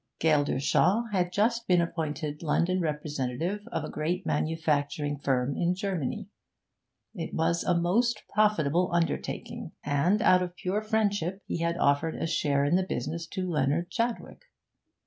Geldershaw had just been appointed London representative of a great manufacturing firm in Germany. It was a most profitable undertaking, and, out of pure friendship, he had offered a share in the business to Leonard Chadwick.